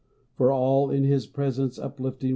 For all, in his presence uplifting.